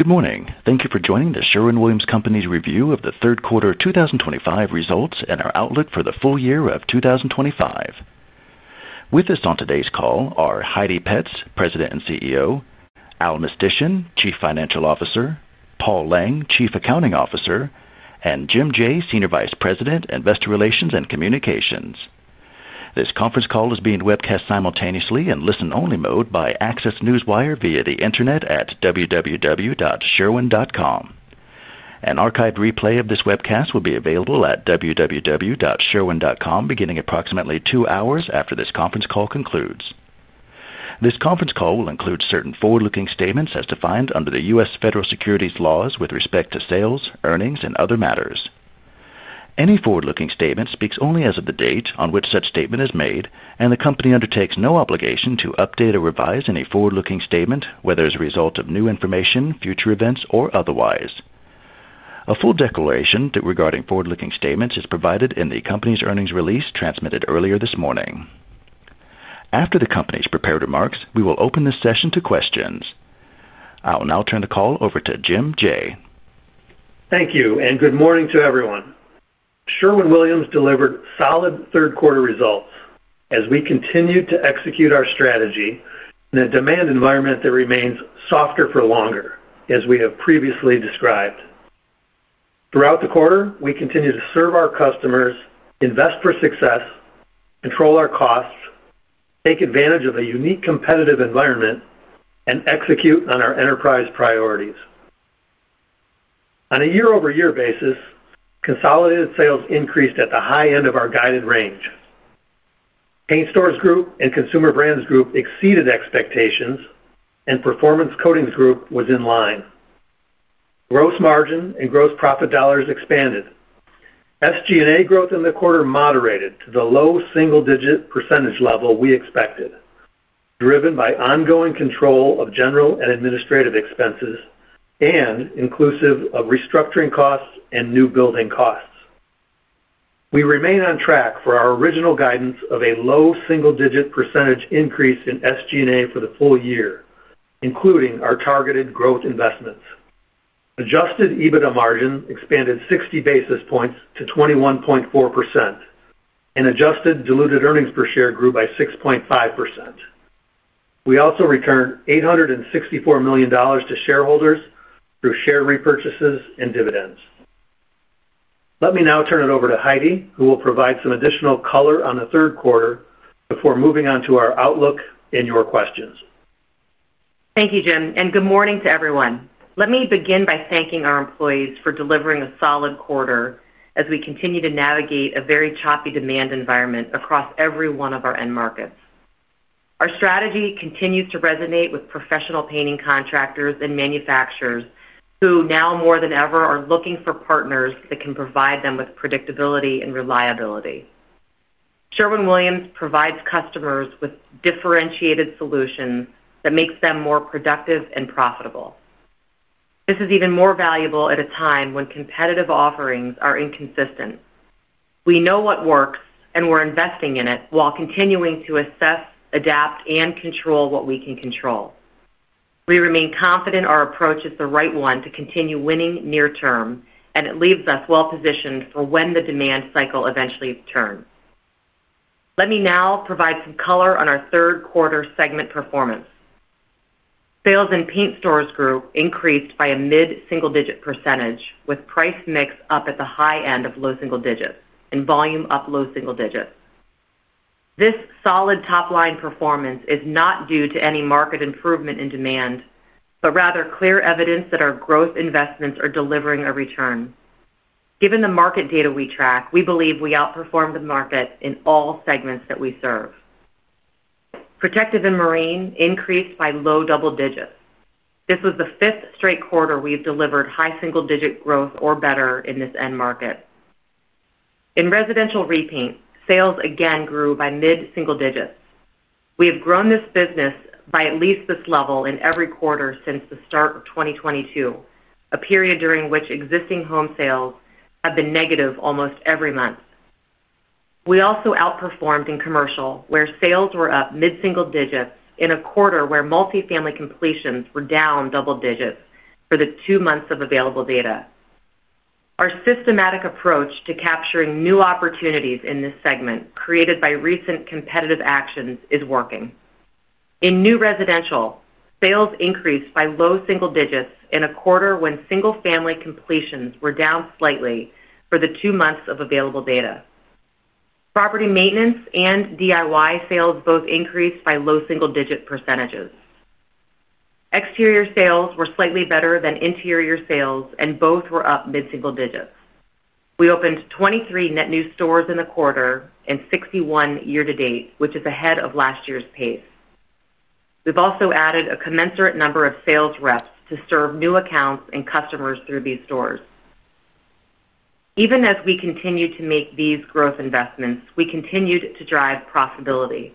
Good morning. Thank you for joining The Sherwin-Williams Company's review of the third quarter 2025 results and our outlook for the full year of 2025. With us on today's call are Heidi Petz, President and CEO; Al Mistysyn, Chief Financial Officer; Paul Lang, Chief Accounting Officer; and Jim Jaye, Senior Vice President, Investor Relations and Communications. This conference call is being webcast simultaneously in listen-only mode by Access Newswire via the Internet at www.sherwin.com. An archived replay of this webcast will be available at www.sherwin.com beginning approximately two hours after this conference call concludes. This conference call will include certain forward-looking statements as defined under the U.S. Federal Securities Laws with respect to sales, earnings, and other matters. Any forward-looking statement speaks only as of the date on which such statement is made, and the company undertakes no obligation to update or revise any forward-looking statement whether as a result of new information, future events, or otherwise. A full declaration regarding forward-looking statements is provided in the company's earnings release transmitted earlier this morning. After the company's prepared remarks, we will open the session to questions. I will now turn the call over to Jim Jaye. Thank you, and good morning to everyone. Sherwin-Williams delivered solid third-quarter results as we continue to execute our strategy in a demand environment that remains softer for longer, as we have previously described. Throughout the quarter, we continue to serve our customers, invest for success, control our costs, take advantage of a unique competitive environment, and execute on our enterprise priorities. On a year-over-year basis, consolidated sales increased at the high end of our guided range. Paint Stores Group and Consumer Brands Group exceeded expectations, and Performance Coatings Group was in line. Gross margin and gross profit dollars expanded. SG&A growth in the quarter moderated to the low single-digit % level we expected, driven by ongoing control of general and administrative expenses and inclusive of restructuring costs and new building costs. We remain on track for our original guidance of a low single-digit % increase in SG&A for the full year, including our targeted growth investments. Adjusted EBITDA margin expanded 60 basis points to 21.4%, and adjusted diluted EPS grew by 6.5%. We also returned $864 million to shareholders through share repurchases and dividends. Let me now turn it over to Heidi, who will provide some additional color on the third quarter before moving on to our outlook and your questions. Thank you, Jim, and good morning to everyone. Let me begin by thanking our employees for delivering a solid quarter as we continue to navigate a very choppy demand environment across every one of our end markets. Our strategy continues to resonate with professional painting contractors and manufacturers who now more than ever are looking for partners that can provide them with predictability and reliability. Sherwin-Williams provides customers with differentiated solutions that make them more productive and profitable. This is even more valuable at a time when competitive offerings are inconsistent. We know what works, and we're investing in it while continuing to assess, adapt, and control what we can control. We remain confident our approach is the right one to continue winning near-term, and it leaves us well-positioned for when the demand cycle eventually turns. Let me now provide some color on our third-quarter segment performance. Sales in Paint Stores Group increased by a mid-single-digit % with price mix up at the high end of low single digits and volume up low single digits. This solid top-line performance is not due to any market improvement in demand, but rather clear evidence that our growth investments are delivering a return. Given the market data we track, we believe we outperformed the market in all segments that we serve. Protective coatings and marine coatings increased by low double digits. This was the fifth straight quarter we've delivered high single-digit growth or better in this end market. In residential repaint, sales again grew by mid-single digits. We have grown this business by at least this level in every quarter since the start of 2022, a period during which existing home sales have been negative almost every month. We also outperformed in commercial, where sales were up mid-single digits in a quarter where multifamily completions were down double digits for the two months of available data. Our systematic approach to capturing new opportunities in this segment created by recent competitive actions is working. In new residential, sales increased by low single digits in a quarter when single-family completions were down slightly for the two months of available data. Property maintenance and DIY sales both increased by low single-digit %. Exterior sales were slightly better than interior sales, and both were up mid-single digits. We opened 23 net new stores in the quarter and 61 year-to-date, which is ahead of last year's pace. We've also added a commensurate number of sales reps to serve new accounts and customers through these stores. Even as we continue to make these growth investments, we continued to drive profitability.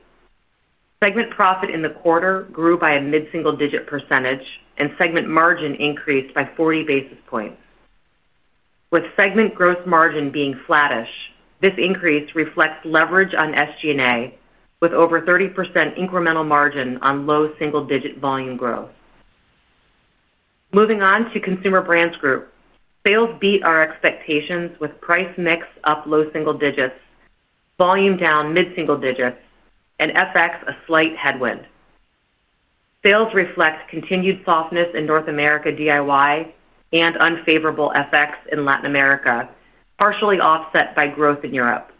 Segment profit in the quarter grew by a mid-single-digit %, and segment margin increased by 40 basis points. With segment gross margin being flattish, this increase reflects leverage on SG&A with over 30% incremental margin on low single-digit volume growth. Moving on to Consumer Brands Group, sales beat our expectations with price mix up low single digits, volume down mid-single digits, and FX a slight headwind. Sales reflect continued softness in North America DIY and unfavorable FX in Latin America, partially offset by growth in Europe.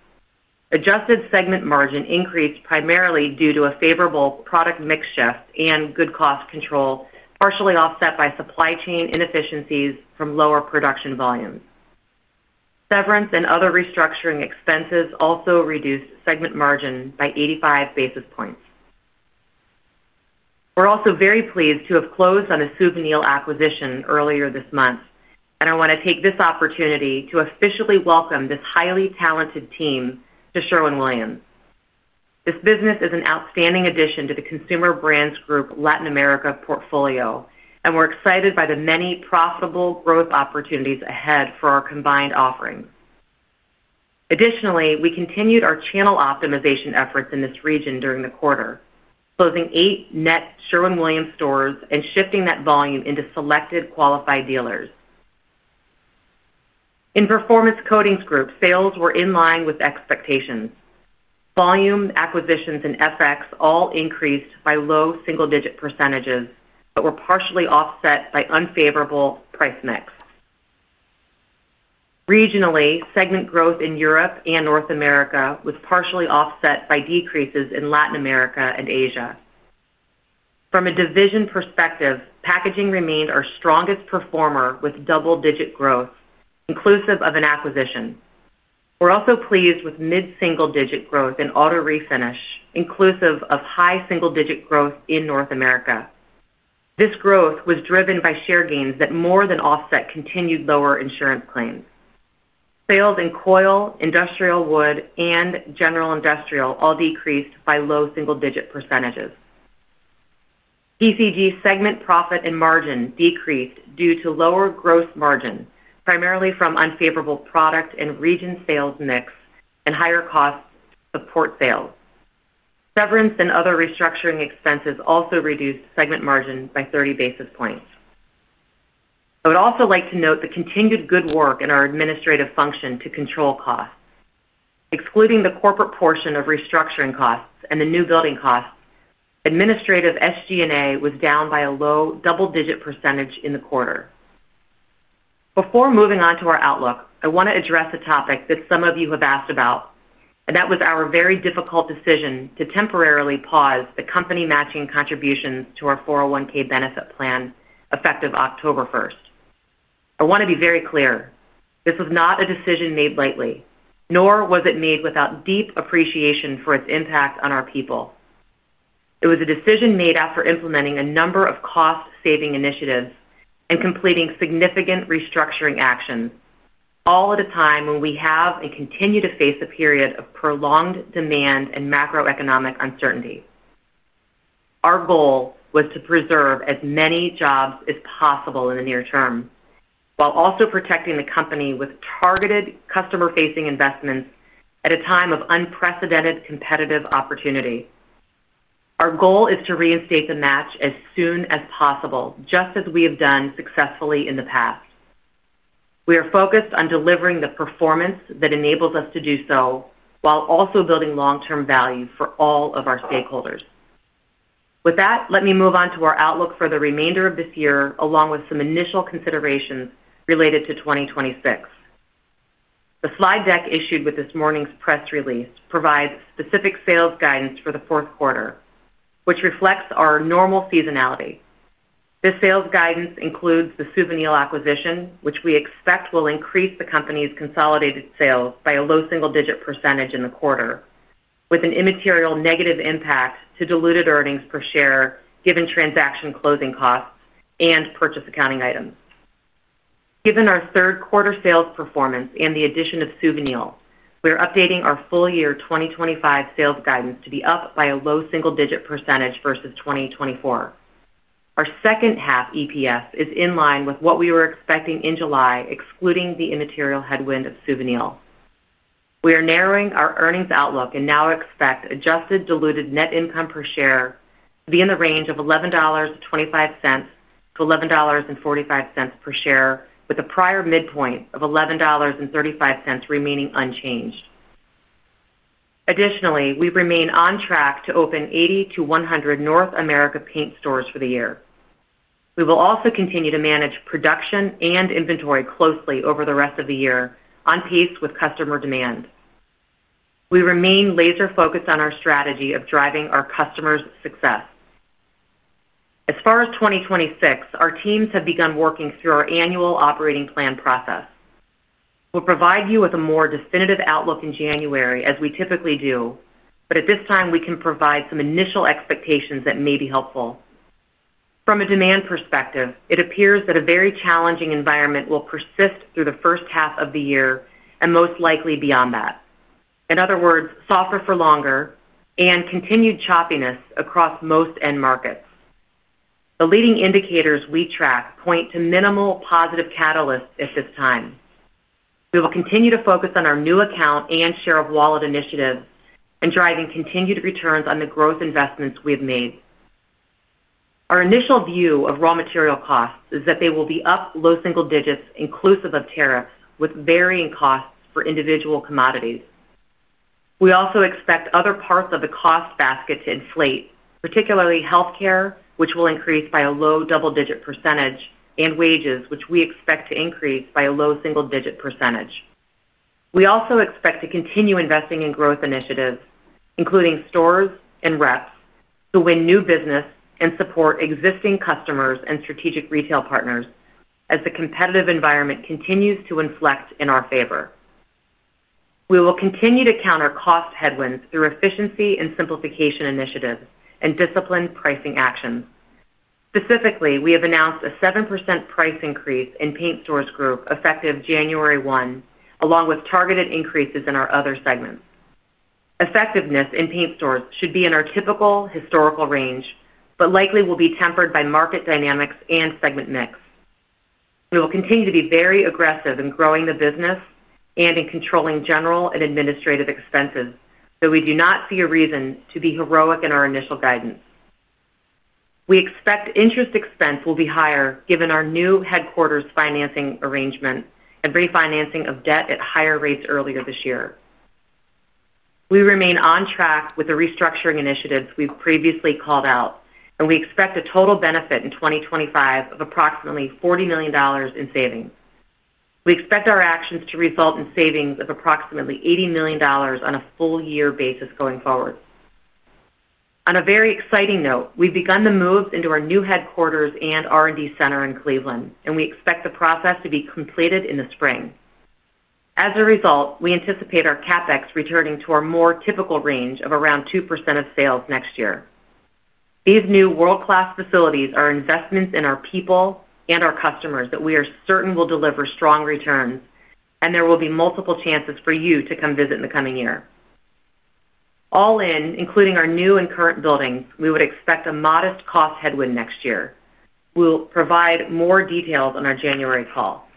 Adjusted segment margin increased primarily due to a favorable product mix shift and good cost control, partially offset by supply chain inefficiencies from lower production volumes. Severance and other restructuring expenses also reduced segment margin by 85 basis points. We're also very pleased to have closed on a Suvinil acquisition earlier this month, and I want to take this opportunity to officially welcome this highly talented team to Sherwin-Williams. This business is an outstanding addition to the Consumer Brands Group Latin America portfolio, and we're excited by the many profitable growth opportunities ahead for our combined offerings. Additionally, we continued our channel optimization efforts in this region during the quarter, closing eight net Sherwin-Williams stores and shifting that volume into selected qualified dealers. In Performance Coatings Group, sales were in line with expectations. Volume, acquisitions, and FX all increased by low single-digit %, but were partially offset by unfavorable price mix. Regionally, segment growth in Europe and North America was partially offset by decreases in Latin America and Asia. From a division perspective, packaging remained our strongest performer with double-digit growth, inclusive of an acquisition. We're also pleased with mid-single-digit growth in auto-refinish, inclusive of high single-digit growth in North America. This growth was driven by share gains that more than offset continued lower insurance claims. Sales in coil, industrial wood, and general industrial all decreased by low single-digit %. TCG segment profit and margin decreased due to lower gross margin, primarily from unfavorable product and region sales mix and higher costs to support sales. Severance and other restructuring expenses also reduced segment margin by 30 basis points. I would also like to note the continued good work in our administrative function to control costs. Excluding the corporate portion of restructuring costs and the new building costs, administrative SG&A was down by a low double-digit % in the quarter. Before moving on to our outlook, I want to address a topic that some of you have asked about, and that was our very difficult decision to temporarily pause the company matching contributions to our 401(k) benefit plan effective October 1. I want to be very clear. This was not a decision made lightly, nor was it made without deep appreciation for its impact on our people. It was a decision made after implementing a number of cost-saving initiatives and completing significant restructuring actions, all at a time when we have and continue to face a period of prolonged demand and macroeconomic uncertainty. Our goal was to preserve as many jobs as possible in the near term, while also protecting the company with targeted customer-facing investments at a time of unprecedented competitive opportunity. Our goal is to reinstate the match as soon as possible, just as we have done successfully in the past. We are focused on delivering the performance that enables us to do so, while also building long-term value for all of our stakeholders. With that, let me move on to our outlook for the remainder of this year, along with some initial considerations related to 2026. The slide deck issued with this morning's press release provides specific sales guidance for the fourth quarter, which reflects our normal seasonality. This sales guidance includes the Suvinil acquisition, which we expect will increase the company's consolidated sales by a low single-digit % in the quarter, with an immaterial negative impact to diluted earnings per share given transaction closing costs and purchase accounting items. Given our third-quarter sales performance and the addition of Suvinil, we are updating our full-year 2025 sales guidance to be up by a low single-digit % versus 2024. Our second half EPS is in line with what we were expecting in July, excluding the immaterial headwind of Suvinil. We are narrowing our earnings outlook and now expect adjusted diluted net income per share to be in the range of $11.25-$11.45 per share, with a prior midpoint of $11.35 remaining unchanged. Additionally, we remain on track to open 80-100 North America paint stores for the year. We will also continue to manage production and inventory closely over the rest of the year on pace with customer demand. We remain laser-focused on our strategy of driving our customers' success. As far as 2026, our teams have begun working through our annual operating plan process. We'll provide you with a more definitive outlook in January as we typically do, but at this time, we can provide some initial expectations that may be helpful. From a demand perspective, it appears that a very challenging environment will persist through the first half of the year and most likely beyond that. In other words, softer for longer and continued choppiness across most end markets. The leading indicators we track point to minimal positive catalysts at this time. We will continue to focus on our new account and share of wallet initiatives and driving continued returns on the growth investments we have made. Our initial view of raw material costs is that they will be up low single digits, inclusive of tariffs, with varying costs for individual commodities. We also expect other parts of the cost basket to inflate, particularly healthcare, which will increase by a low double-digit %, and wages, which we expect to increase by a low single-digit %. We also expect to continue investing in growth initiatives, including stores and reps, to win new business and support existing customers and strategic retail partners as the competitive environment continues to inflect in our favor. We will continue to counter cost headwinds through efficiency and simplification initiatives and disciplined pricing actions. Specifically, we have announced a 7% price increase in Paint Stores Group effective January 1, along with targeted increases in our other segments. Effectiveness in paint stores should be in our typical historical range, but likely will be tempered by market dynamics and segment mix. We will continue to be very aggressive in growing the business and in controlling general and administrative expenses, though we do not see a reason to be heroic in our initial guidance. We expect interest expense will be higher given our new headquarters financing arrangement and refinancing of debt at higher rates earlier this year. We remain on track with the restructuring initiatives we've previously called out, and we expect a total benefit in 2025 of approximately $40 million in savings. We expect our actions to result in savings of approximately $80 million on a full-year basis going forward. On a very exciting note, we've begun the move into our new headquarters and R&D center in Cleveland, and we expect the process to be completed in the spring. As a result, we anticipate our CapEx returning to our more typical range of around 2% of sales next year. These new world-class facilities are investments in our people and our customers that we are certain will deliver strong returns, and there will be multiple chances for you to come visit in the coming year. All in, including our new and current buildings, we would expect a modest cost headwind next year. We'll provide more details on our January call.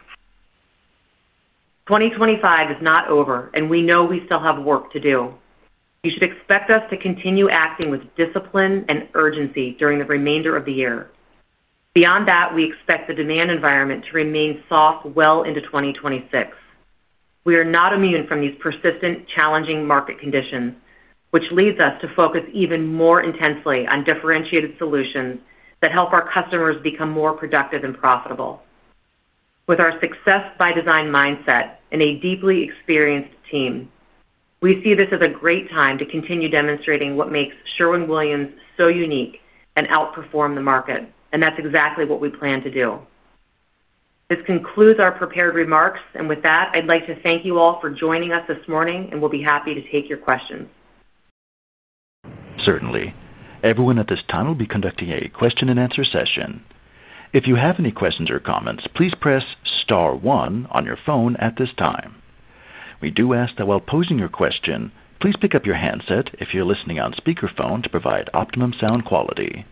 2025 is not over, and we know we still have work to do. You should expect us to continue acting with discipline and urgency during the remainder of the year. Beyond that, we expect the demand environment to remain soft well into 2026. We are not immune from these persistent, challenging market conditions, which leads us to focus even more intensely on differentiated solutions that help our customers become more productive and profitable. With our success-by-design mindset and a deeply experienced team, we see this as a great time to continue demonstrating what makes Sherwin-Williams so unique and outperform the market, and that's exactly what we plan to do. This concludes our prepared remarks, and with that, I'd like to thank you all for joining us this morning, and we'll be happy to take your questions. Certainly. Everyone, at this time we will be conducting a question-and-answer session. If you have any questions or comments, please press star one on your phone at this time. We do ask that while posing your question, please pick up your handset if you're listening on speakerphone to provide optimum sound quality.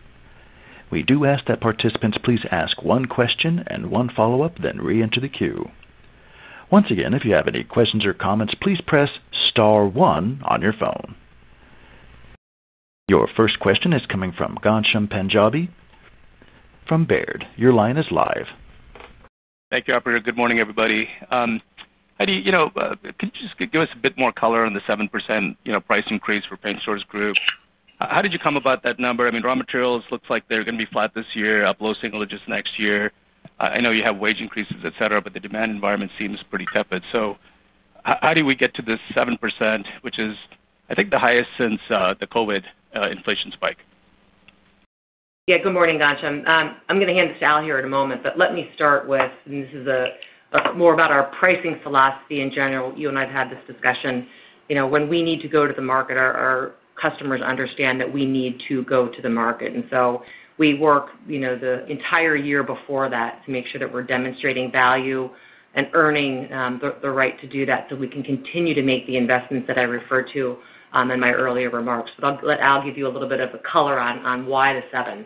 We do ask that participants please ask one question and one follow-up, then re-enter the queue. Once again, if you have any questions or comments, please press star one on your phone. Your first question is coming from Ghansham Panjabi from Baird. Your line is live. Thank you, operator. Good morning, everybody. Heidi, you know, could you just give us a bit more color on the 7% price increase for Paint Stores Group? How did you come about that number? I mean, raw materials look like they're going to be flat this year, up low single digits next year. I know you have wage increases, etc., but the demand environment seems pretty tepid. How do we get to this 7%, which is, I think, the highest since the COVID inflation spike? Yeah, good morning, Ghansham. I'm going to hand this to Al here in a moment, but let me start with, and this is more about our pricing philosophy in general. You and I have had this discussion. You know, when we need to go to the market, our customers understand that we need to go to the market. We work the entire year before that to make sure that we're demonstrating value and earning the right to do that so we can continue to make the investments that I referred to in my earlier remarks. I'll let Al give you a little bit of a color on why the seven.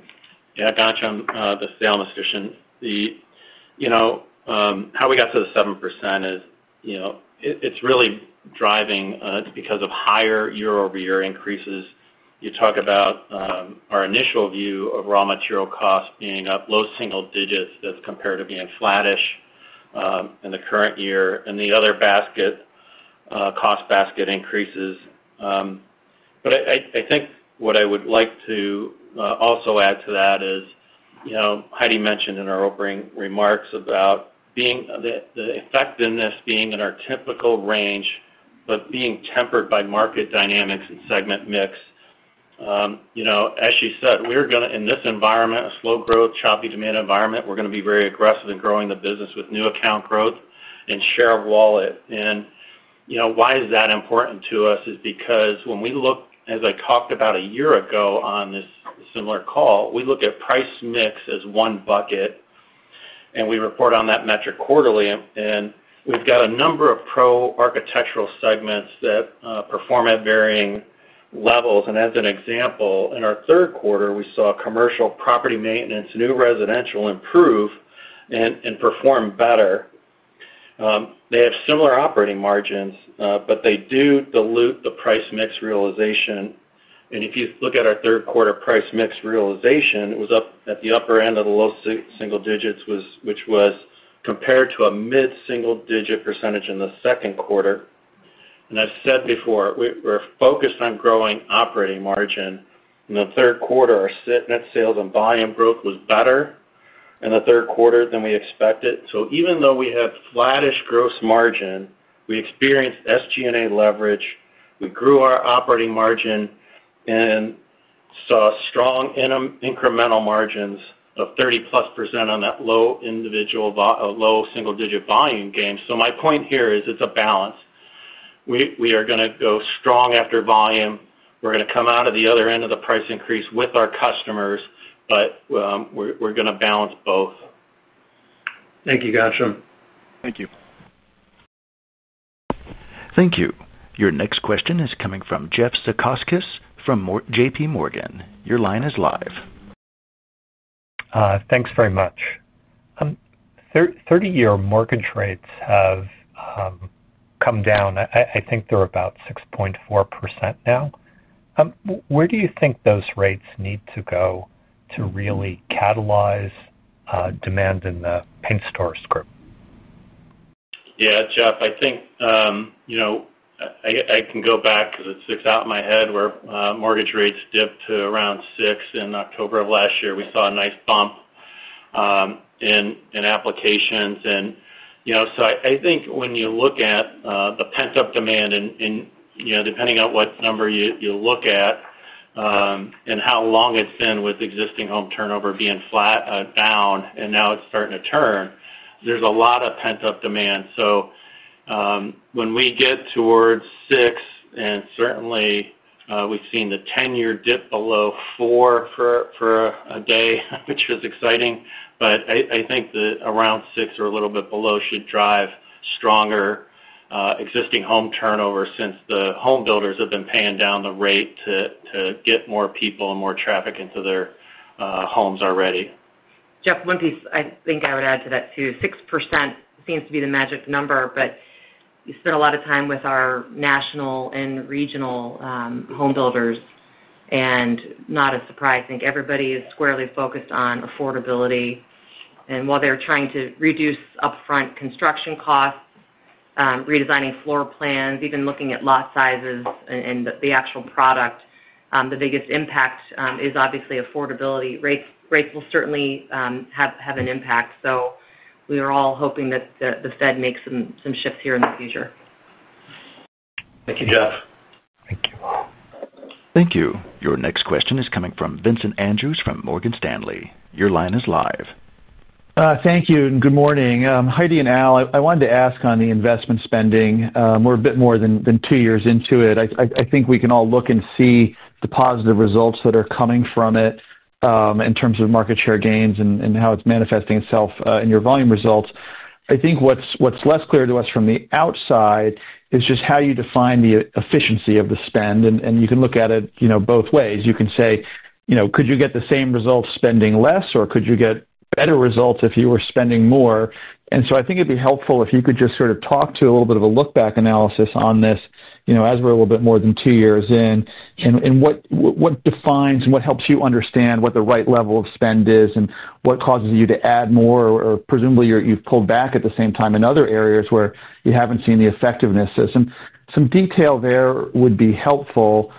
Yeah, Ghansham, this is Al Mistysyn. You know, how we got to the 7% is, you know, it's really driving because of higher year-over-year increases. You talk about our initial view of raw material costs being up low single digits as compared to being flattish in the current year and the other cost basket increases. I think what I would like to also add to that is, you know, Heidi mentioned in her opening remarks about the effectiveness being in our typical range, but being tempered by market dynamics and segment mix. As she said, we're going to, in this environment, a slow growth, choppy demand environment, we're going to be very aggressive in growing the business with new account growth and share of wallet. Why is that important to us is because when we look, as I talked about a year ago on this similar call, we look at price mix as one bucket, and we report on that metric quarterly. We've got a number of pro-architectural segments that perform at varying levels. As an example, in our third quarter, we saw commercial property maintenance, new residential improve and perform better. They have similar operating margins, but they do dilute the price mix realization. If you look at our third quarter price mix realization, it was up at the upper end of the low single digits, which was compared to a mid-single digit % in the second quarter. I've said before, we're focused on growing operating margin. In the third quarter, our net sales and volume growth was better in the third quarter than we expected. Even though we had flattish gross margin, we experienced SG&A leverage. We grew our operating margin and saw strong incremental margins of 30+% on that low individual low single-digit volume gain. My point here is it's a balance. We are going to go strong after volume. We're going to come out of the other end of the price increase with our customers, but we're going to balance both. Thank you, Ghansham. Thank you. Thank you. Your next question is coming from Jeff Chaykowski from JPMorgan. Your line is live. Thanks very much. Thirty-year mortgage rates have come down. I think they're about 6.4% now. Where do you think those rates need to go to really catalyze demand in the Paint Stores Group? Yeah, Jeff, I think, you know, I can go back because it sticks out in my head where mortgage rates dipped to around 6% in October of last year. We saw a nice bump in applications. I think when you look at the pent-up demand and, depending on what number you look at and how long it's been with existing home turnover being down and now it's starting to turn, there's a lot of pent-up demand. When we get towards 6%, and certainly we've seen the 10-year dip below 4% for a day, which is exciting, I think that around 6% or a little bit below should drive stronger existing home turnover since the home builders have been paying down the rate to get more people and more traffic into their homes already. Jeff, one piece I think I would add to that too, 6% seems to be the magic number, but you spent a lot of time with our national and regional home builders, and not a surprise. I think everybody is squarely focused on affordability. While they're trying to reduce upfront construction costs, redesigning floor plans, even looking at lot sizes and the actual product, the biggest impact is obviously affordability. Rates will certainly have an impact. We are all hoping that the Fed makes some shifts here in the future. Thank you, Jeff. Thank you. Thank you. Your next question is coming from Vincent Andrews from Morgan Stanley. Your line is live. Thank you and good morning. Heidi and Al, I wanted to ask on the investment spending. We're a bit more than two years into it. I think we can all look and see the positive results that are coming from it in terms of market share gains and how it's manifesting itself in your volume results. What's less clear to us from the outside is just how you define the efficiency of the spend. You can look at it both ways. You can say, could you get the same results spending less, or could you get better results if you were spending more? I think it'd be helpful if you could just sort of talk to a little bit of a look-back analysis on this, as we're a little bit more than two years in, and what defines and what helps you understand what the right level of spend is and what causes you to add more, or presumably you've pulled back at the same time in other areas where you haven't seen the effectiveness. Some detail there would be helpful.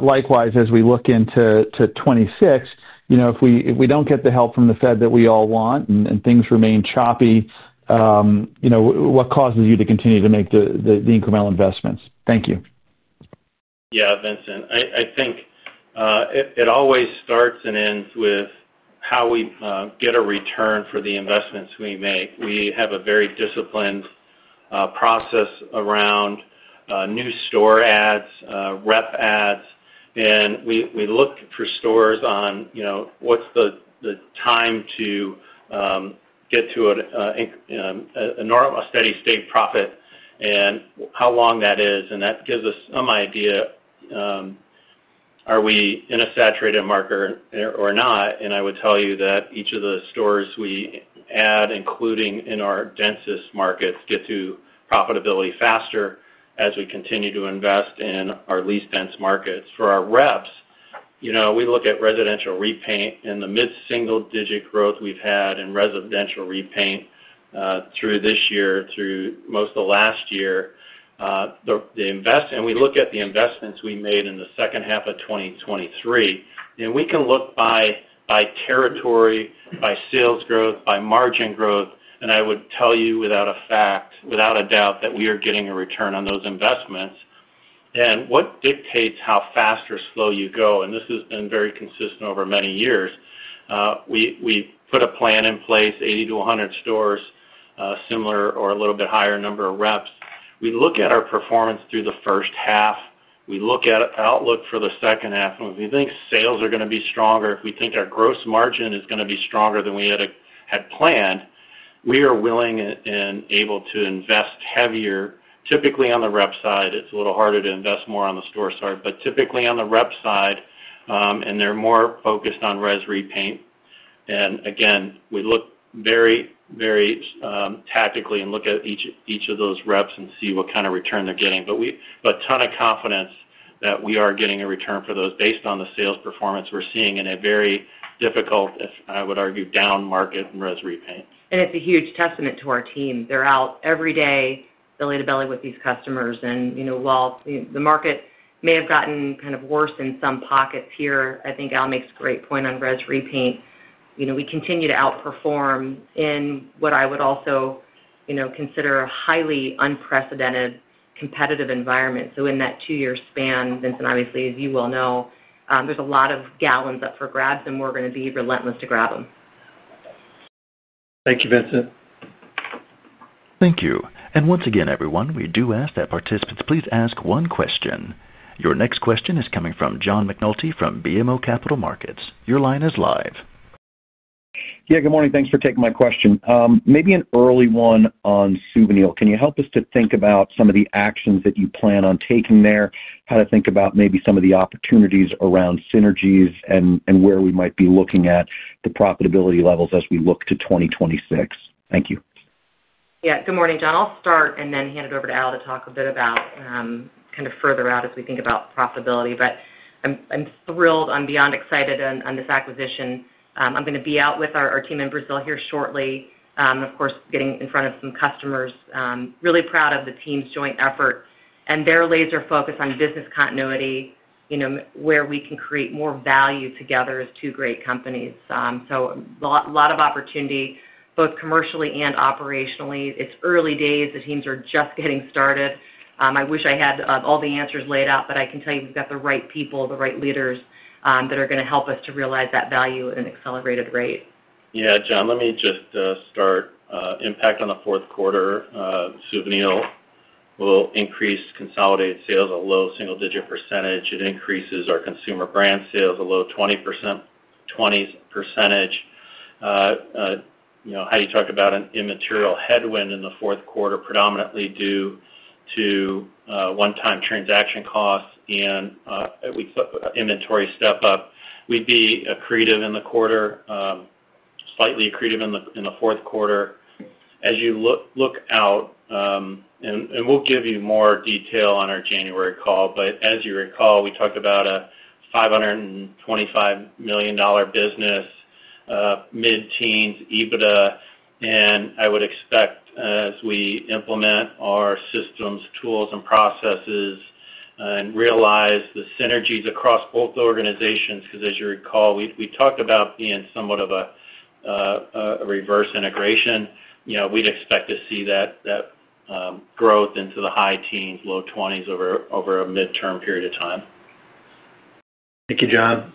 Likewise, as we look into 2026, if we don't get the help from the Fed that we all want and things remain choppy, what causes you to continue to make the incremental investments? Thank you. Yeah, Vincent, I think it always starts and ends with how we get a return for the investments we make. We have a very disciplined process around new store adds, rep adds, and we look for stores on, you know, what's the time to get to a steady state profit and how long that is. That gives us some idea, are we in a saturated market or not? I would tell you that each of the stores we add, including in our densest markets, get to profitability faster as we continue to invest in our least dense markets. For our reps, we look at residential repaint and the mid-single digit growth we've had in residential repaint through this year, through most of last year. We look at the investments we made in the second half of 2023, and we can look by territory, by sales growth, by margin growth. I would tell you without a doubt that we are getting a return on those investments. What dictates how fast or slow you go, and this has been very consistent over many years, we put a plan in place, 80-100 stores, a similar or a little bit higher number of reps. We look at our performance through the first half. We look at the outlook for the second half. If we think sales are going to be stronger, if we think our gross margin is going to be stronger than we had planned, we are willing and able to invest heavier. Typically, on the rep side, it's a little harder to invest more on the store side, but typically on the rep side, and they're more focused on res repaint. Again, we look very, very tactically and look at each of those reps and see what kind of return they're getting. We have a ton of confidence that we are getting a return for those based on the sales performance we're seeing in a very difficult, I would argue, down market in res repaint. It's a huge testament to our team. They're out every day, belly to belly with these customers. While the market may have gotten kind of worse in some pockets here, I think Al makes a great point on res repaint. We continue to outperform in what I would also consider a highly unprecedented competitive environment. In that two-year span, Vincent, obviously, as you well know, there's a lot of gallons up for grabs, and we're going to be relentless to grab them. Thank you, Vincent. Thank you. Once again, everyone, we do ask that participants please ask one question. Your next question is coming from John McNulty from BMO Capital Markets. Your line is live. Yeah, good morning. Thanks for taking my question. Maybe an early one on Suvinil. Can you help us to think about some of the actions that you plan on taking there, how to think about maybe some of the opportunities around synergies and where we might be looking at the profitability levels as we look to 2026? Thank you. Yeah, good morning, John. I'll start and then hand it over to Al to talk a bit about kind of further out as we think about profitability. I'm thrilled. I'm beyond excited on this acquisition. I'm going to be out with our team in Brazil here shortly. Of course, getting in front of some customers. Really proud of the team's joint effort and their laser focus on business continuity, where we can create more value together as two great companies. A lot of opportunity, both commercially and operationally. It's early days. The teams are just getting started. I wish I had all the answers laid out, but I can tell you we've got the right people, the right leaders that are going to help us to realize that value at an accelerated rate. Yeah, John, let me just start. Impact on the fourth quarter, Suvinil will increase consolidated sales a low single-digit %. It increases our Consumer Brands Group sales a low 20%. You know, Heidi, you talk about an immaterial headwind in the fourth quarter, predominantly due to one-time transaction costs and inventory step-up. We'd be accretive in the quarter, slightly accretive in the fourth quarter. As you look out, and we'll give you more detail on our January call, but as you recall, we talked about a $525 million business, mid-teens EBITDA. I would expect as we implement our systems, tools, and processes and realize the synergies across both organizations, because as you recall, we talked about being somewhat of a reverse integration. You know, we'd expect to see that growth into the high teens, low 20s over a midterm period of time. Thank you, John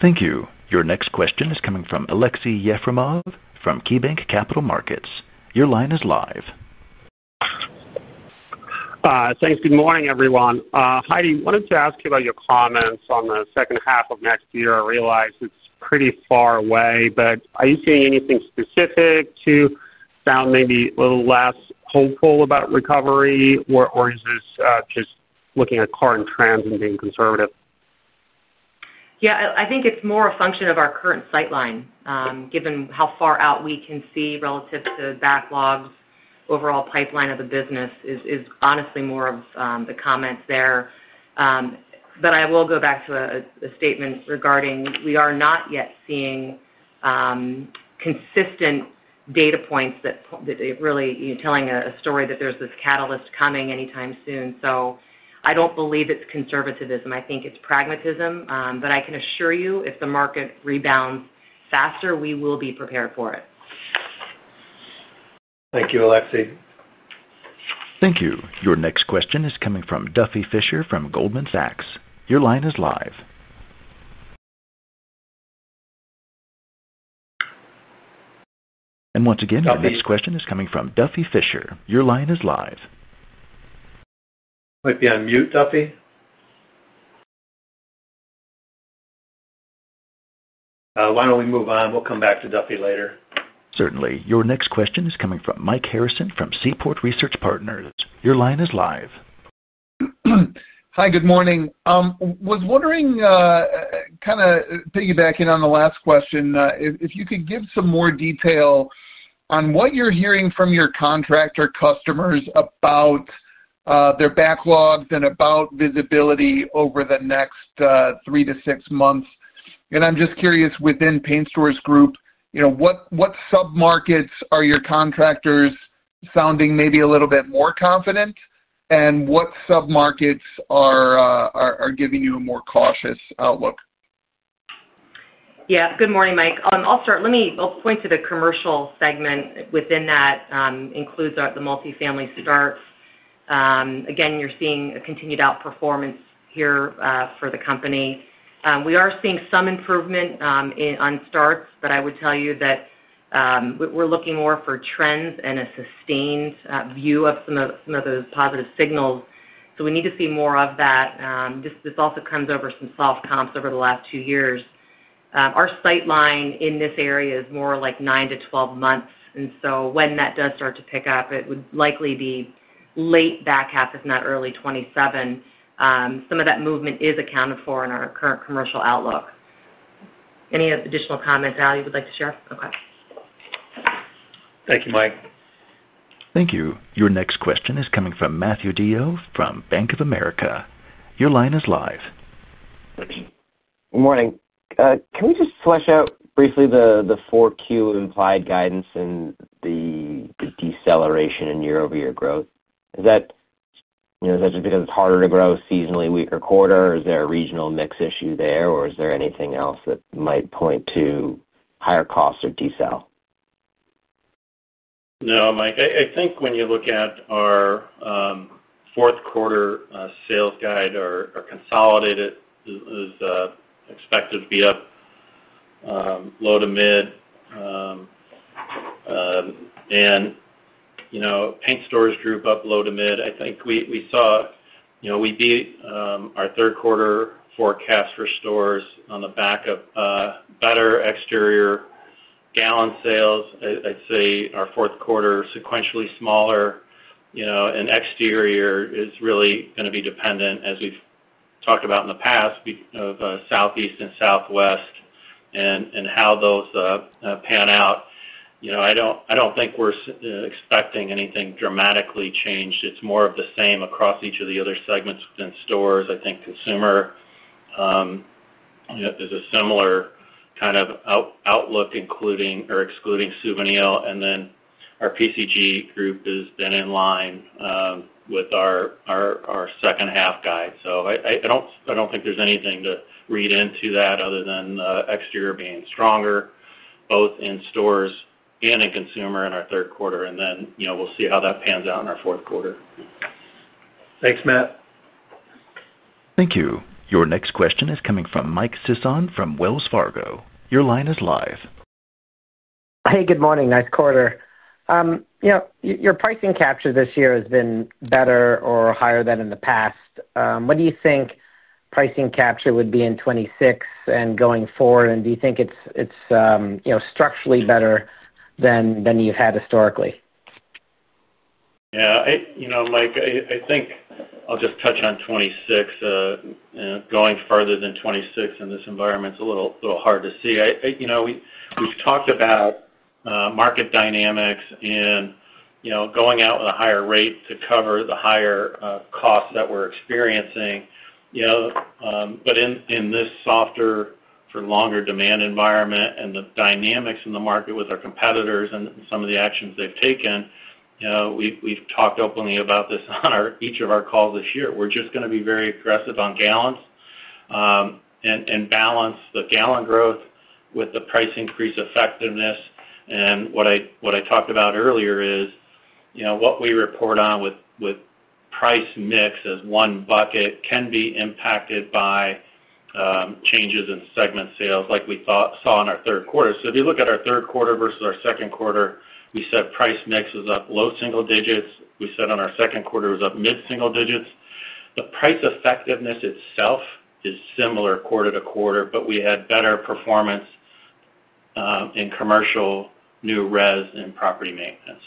Thank you. Your next question is coming from Aleksey Yefremov from KeyBanc Capital Markets. Your line is live. Thanks. Good morning, everyone. Heidi, I wanted to ask you about your comments on the second half of next year. I realize it's pretty far away, but are you seeing anything specific to sound maybe a little less hopeful about recovery, or is this just looking at current trends and being conservative? Yeah, I think it's more a function of our current sightline, given how far out we can see relative to backlogs. The overall pipeline of the business is honestly more of the comments there. I will go back to a statement regarding we are not yet seeing consistent data points that are really telling a story that there's this catalyst coming anytime soon. I don't believe it's conservatism. I think it's pragmatism. I can assure you if the market rebounds faster, we will be prepared for it. Thank you, Aleksey. Thank you. Your next question is coming from Duffy Fischer from Goldman Sachs. Your line is live. Your next question is coming from Duffy Fischer. Your line is live. Might be on mute, Duffy. Why don't we move on? We'll come back to Duffy later. Certainly. Your next question is coming from Mike Harrison from Seaport Research Partners. Your line is live. Hi, good morning. I was wondering, kind of piggybacking on the last question, if you could give some more detail on what you're hearing from your contractor customers about their backlogs and about visibility over the next three to six months. I'm just curious, within Paint Stores Group, what submarkets are your contractors sounding maybe a little bit more confident, and what submarkets are giving you a more cautious outlook? Yeah, good morning, Mike. I'll start. I'll point to the commercial segment within that, which includes the multifamily starts. Again, you're seeing a continued outperformance here for the company. We are seeing some improvement on starts, but I would tell you that we're looking more for trends and a sustained view of some of those positive signals. We need to see more of that. This also comes over some soft comps over the last two years. Our sightline in this area is more like 9-12 months. When that does start to pick up, it would likely be late back half, if not early 2027. Some of that movement is accounted for in our current commercial outlook. Any additional comments, Al, you would like to share? Okay. Thank you, Mike. Thank you. Your next question is coming from Matthew DeYoe from Bank of America. Your line is live. Good morning. Can we just flesh out briefly the Q4 implied guidance and the deceleration in year-over-year growth? Is that just because it's harder to grow seasonally, weaker quarter? Is there a regional mix issue there, or is there anything else that might point to higher costs or decel? No, Matt. I think when you look at our fourth quarter sales guide, our consolidated is expected to be up low to mid. You know, Paint Stores Group up low to mid. I think we beat our third quarter forecast for stores on the back of better exterior gallon sales. I'd say our fourth quarter is sequentially smaller, and exterior is really going to be dependent, as we've talked about in the past, on Southeast and Southwest and how those pan out. I don't think we're expecting anything dramatically changed. It's more of the same across each of the other segments within stores. I think Consumer is a similar kind of outlook, including or excluding Suvinil. Our Performance Coatings Group has been in line with our second half guide. I don't think there's anything to read into that other than exterior being stronger, both in stores and in Consumer in our third quarter. We'll see how that pans out in our fourth quarter. Thanks, Matt. Thank you. Your next question is coming from Mike Sison from Wells Fargo. Your line is live. Hey, good morning. Nice quarter. Your pricing capture this year has been better or higher than in the past. What do you think pricing capture would be in 2026 and going forward? Do you think it's structurally better than you've had historically? Yeah, you know, Mike, I think I'll just touch on 2026. Going further than 2026 in this environment is a little hard to see. We've talked about market dynamics and going out with a higher rate to cover the higher costs that we're experiencing. In this softer, for longer demand environment and the dynamics in the market with our competitors and some of the actions they've taken, we've talked openly about this on each of our calls this year. We're just going to be very aggressive on gallons and balance the gallon growth with the price increase effectiveness. What I talked about earlier is, what we report on with price mix as one bucket can be impacted by changes in segment sales, like we saw in our third quarter. If you look at our third quarter versus our second quarter, we said price mix was up low single digits. We said on our second quarter it was up mid-single digits. The price effectiveness itself is similar quarter to quarter, but we had better performance in commercial new res and property maintenance.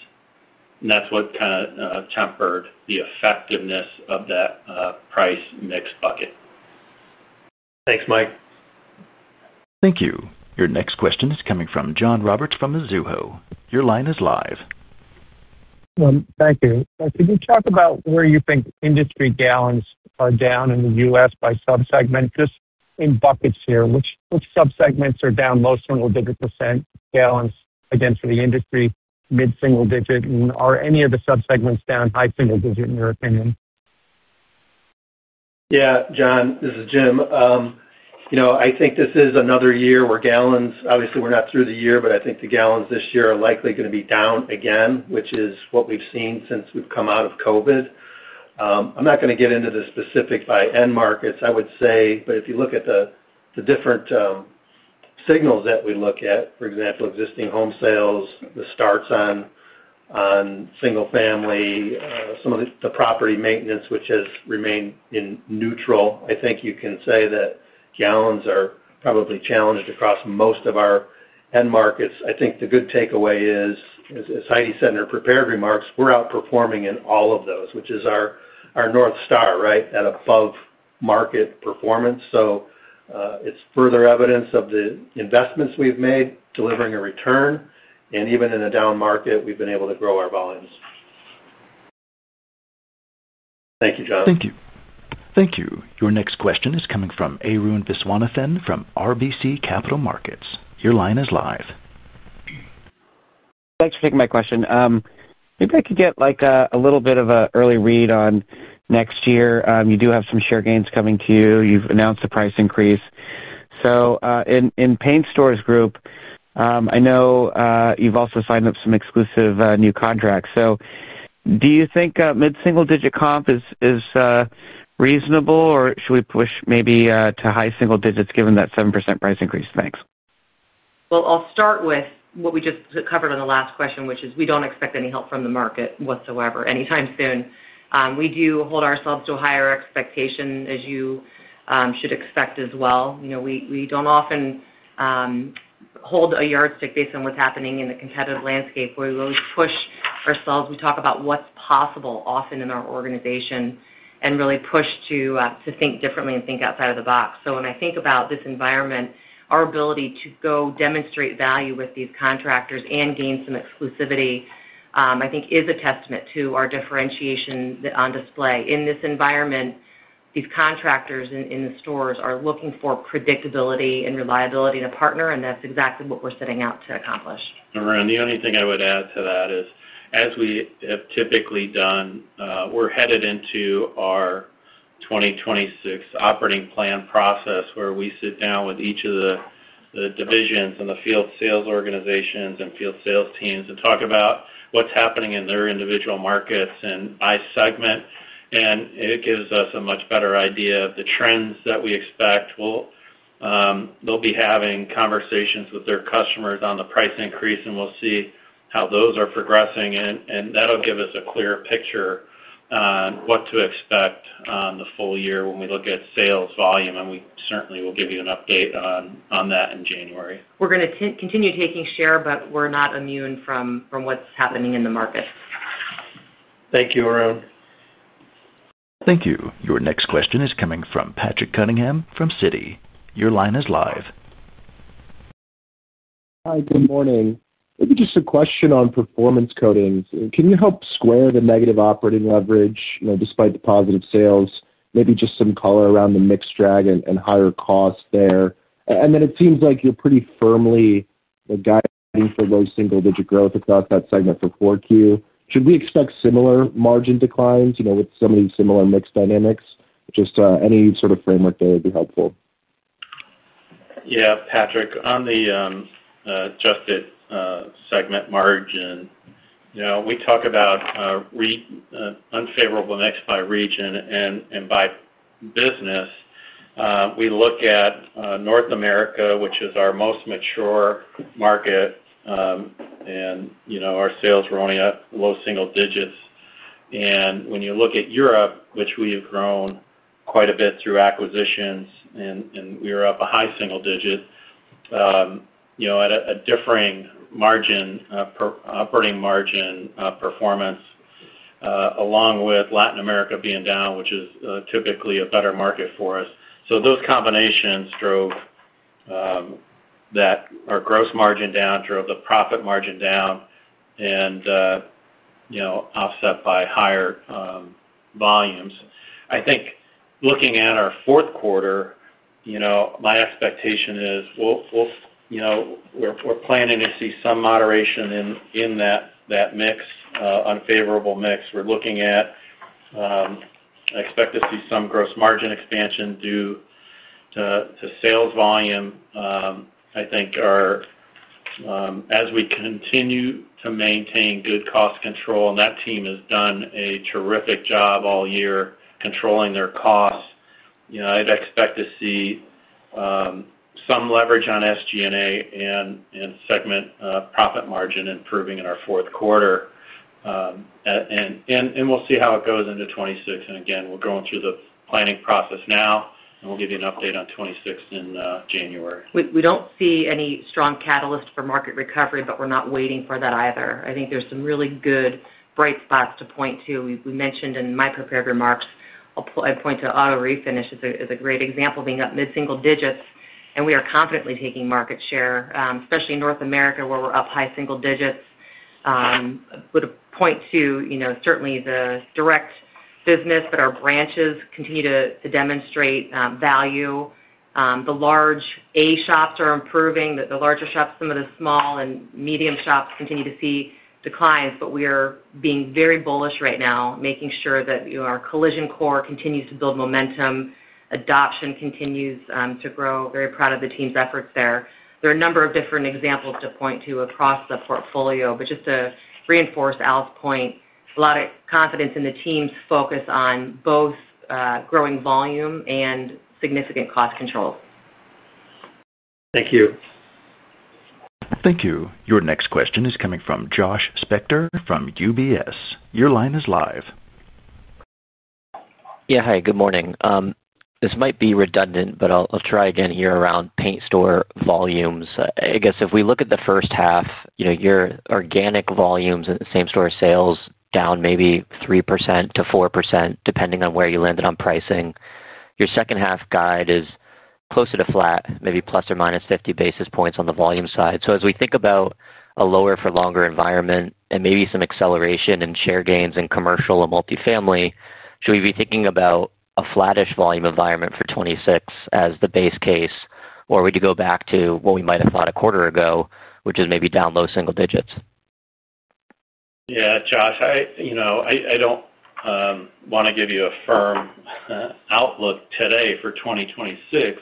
That's what kind of tempered the effectiveness of that price mix bucket. Thanks, Mike. Thank you. Your next question is coming from John Roberts from Mizuho. Your line is live. Thank you. Can you talk about where you think industry gallons are down in the U.S. by subsegment? Just in buckets here, which subsegments are down low single digit % gallons again for the industry mid-single digit? Are any of the subsegments down high single digit in your opinion? Yeah, John, this is Jim. I think this is another year where gallons, obviously, we're not through the year, but I think the gallons this year are likely going to be down again, which is what we've seen since we've come out of COVID. I'm not going to get into the specifics by end markets, I would say, but if you look at the different signals that we look at, for example, existing home sales, the starts on single family, some of the property maintenance, which has remained in neutral, I think you can say that gallons are probably challenged across most of our end markets. I think the good takeaway is, as Heidi said in her prepared remarks, we're outperforming in all of those, which is our North Star, that above market performance. It is further evidence of the investments we've made, delivering a return, and even in a down market, we've been able to grow our volumes. Thank you, John. Thank you. Thank you. Your next question is coming from Arun Viswanathan from RBC Capital Markets. Your line is live. Thanks for taking my question. Maybe I could get like a little bit of an early read on next year. You do have some share gains coming to you. You've announced the price increase. In Paint Stores Group, I know you've also signed up some exclusive new contracts. Do you think mid-single digit comp is reasonable, or should we push maybe to high single digits given that 7% price increase? Thanks. I will start with what we just covered on the last question, which is we don't expect any help from the market whatsoever anytime soon. We do hold ourselves to a higher expectation, as you should expect as well. You know, we don't often hold a yardstick based on what's happening in the competitive landscape, where we always push ourselves. We talk about what's possible often in our organization and really push to think differently and think outside of the box. When I think about this environment, our ability to go demonstrate value with these contractors and gain some exclusivity, I think, is a testament to our differentiation on display. In this environment, these contractors in the stores are looking for predictability and reliability in a partner, and that's exactly what we're setting out to accomplish. Arun, the only thing I would add to that is, as we have typically done, we're headed into our 2026 operating plan process, where we sit down with each of the divisions and the field sales organizations and field sales teams and talk about what's happening in their individual markets and by segment. It gives us a much better idea of the trends that we expect. They'll be having conversations with their customers on the price increase, and we'll see how those are progressing. That'll give us a clear picture on what to expect on the full year when we look at sales volume. We certainly will give you an update on that in January. We're going to continue taking share, but we're not immune from what's happening in the market. Thank you, Arun. Thank you. Your next question is coming from Patrick Cunningham from Citi. Your line is live. Hi, good morning. Maybe just a question on Performance Coatings. Can you help square the negative operating leverage despite the positive sales, maybe just some color around the mixed drag and higher cost there? It seems like you're pretty firmly guiding for low single-digit growth across that segment for 4Q. Should we expect similar margin declines with some of these similar mixed dynamics? Just any sort of framework there would be helpful. Yeah, Patrick, on the adjusted segment margin, we talk about unfavorable mix by region and by business. We look at North America, which is our most mature market, and our sales were only at low single digits. When you look at Europe, which we have grown quite a bit through acquisitions, we are up a high single digit, at a differing operating margin performance, along with Latin America being down, which is typically a better market for us. Those combinations drove our gross margin down, drove the profit margin down, offset by higher volumes. I think looking at our fourth quarter, my expectation is we're planning to see some moderation in that unfavorable mix. We're looking at, I expect to see some gross margin expansion due to sales volume. I think as we continue to maintain good cost control, and that team has done a terrific job all year controlling their costs, I'd expect to see some leverage on SG&A and segment profit margin improving in our fourth quarter. We'll see how it goes into 2026. We're going through the planning process now, and we'll give you an update on 2026 in January. We don't see any strong catalyst for market recovery, but we're not waiting for that either. I think there's some really good bright spots to point to. We mentioned in my prepared remarks, I point to auto-refinish coatings as a great example being up mid-single digits, and we are confidently taking market share, especially in North America, where we're up high single digits. I would point to, certainly the direct business, but our branches continue to demonstrate value. The large A shops are improving, the larger shops, some of the small and medium shops continue to see declines, but we are being very bullish right now, making sure that our collision core continues to build momentum, adoption continues to grow. Very proud of the team's efforts there. There are a number of different examples to point to across the portfolio, but just to reinforce Al's point, a lot of confidence in the team's focus on both growing volume and significant cost controls. Thank you. Thank you. Your next question is coming from Josh Spector from UBS. Your line is live. Yeah, hi, good morning. This might be redundant, but I'll try again here around paint store volumes. I guess if we look at the first half, your organic volumes in the same store sales down maybe 3%-4%, depending on where you landed on pricing. Your second half guide is closer to flat, maybe plus or minus 50 basis points on the volume side. As we think about a lower for longer environment and maybe some acceleration in share gains in commercial and multifamily, should we be thinking about a flattish volume environment for 2026 as the base case, or would you go back to what we might have thought a quarter ago, which is maybe down low single digits? Yeah, Josh, I don't want to give you a firm outlook today for 2026,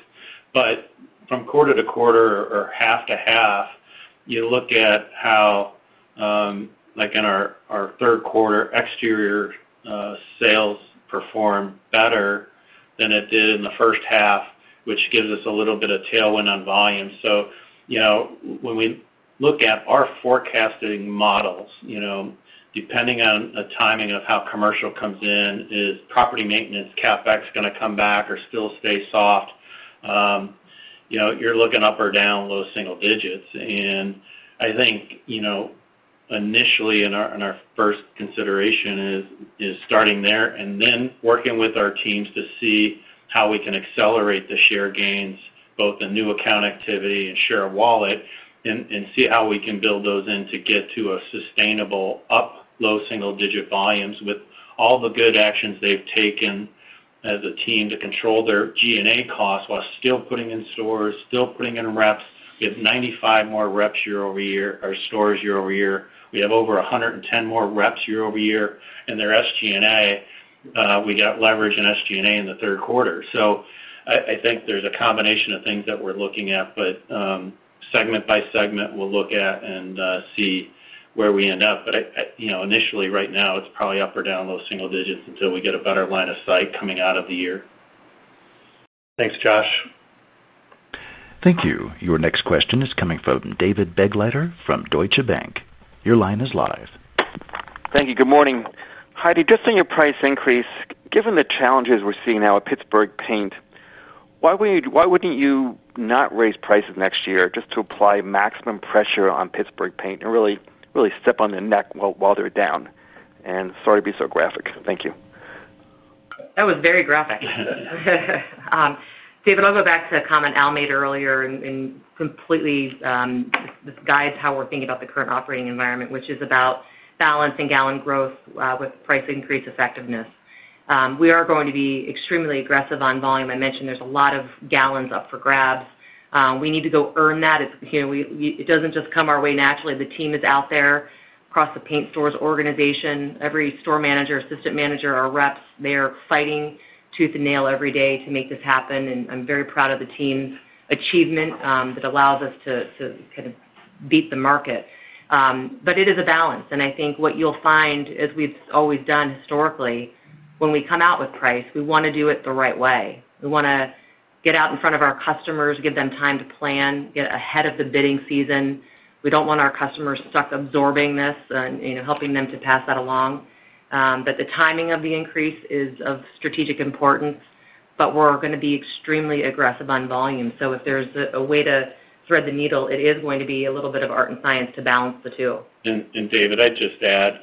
but from quarter to quarter or half to half, you look at how, like in our third quarter, exterior sales performed better than it did in the first half, which gives us a little bit of tailwind on volume. When we look at our forecasting models, depending on the timing of how commercial comes in, is property maintenance CapEx going to come back or still stay soft? You're looking up or down low single digits. I think initially in our first consideration is starting there and then working with our teams to see how we can accelerate the share gains, both the new account activity and share wallet, and see how we can build those in to get to a sustainable up low single digit volumes with all the good actions they've taken as a team to control their SG&A costs while still putting in stores, still putting in reps. We have 95 more reps year over year, our stores year over year. We have over 110 more reps year over year, and their SG&A, we got leverage in SG&A in the third quarter. I think there's a combination of things that we're looking at, but segment by segment, we'll look at and see where we end up. Initially right now, it's probably up or down low single digits until we get a better line of sight coming out of the year. Thanks, Josh. Thank you. Your next question is coming from David Begleiter from Deutsche Bank. Your line is live. Thank you. Good morning. Heidi, just on your price increase, given the challenges we're seeing now at Pittsburgh Paint, why would you not raise prices next year just to apply maximum pressure on Pittsburgh Paint and really step on their neck while they're down? Sorry to be so graphic. Thank you. That was very graphic. David, I'll go back to a comment Al made earlier and completely guides how we're thinking about the current operating environment, which is about balancing gallon growth with price increase effectiveness. We are going to be extremely aggressive on volume. I mentioned there's a lot of gallons up for grabs. We need to go earn that. It doesn't just come our way naturally. The team is out there across the paint stores organization. Every store manager, assistant manager, our reps, they are fighting tooth and nail every day to make this happen. I'm very proud of the team's achievement that allows us to kind of beat the market. It is a balance. I think what you'll find, as we've always done historically, when we come out with price, we want to do it the right way. We want to get out in front of our customers, give them time to plan, get ahead of the bidding season. We don't want our customers stuck absorbing this and helping them to pass that along. The timing of the increase is of strategic importance, but we're going to be extremely aggressive on volume. If there's a way to thread the needle, it is going to be a little bit of art and science to balance the two. David, I'd just add,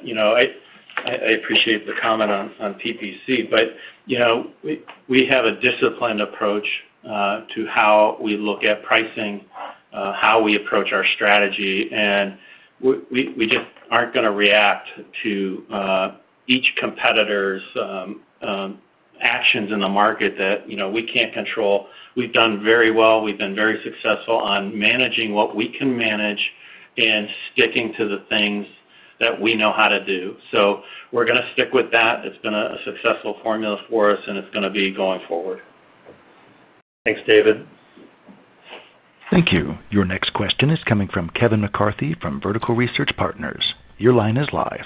I appreciate the comment on PPC, but we have a disciplined approach to how we look at pricing, how we approach our strategy, and we just aren't going to react to each competitor's actions in the market that we can't control. We've done very well. We've been very successful on managing what we can manage and sticking to the things that we know how to do. We are going to stick with that. It's been a successful formula for us, and it's going to be going forward. Thanks, David. Thank you. Your next question is coming from Kevin McCarthy from Vertical Research Partners. Your line is live.